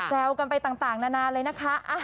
กันไปต่างนานาเลยนะคะ